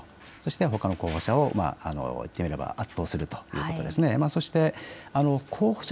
そして候補者を言ってみれば圧倒するということですね。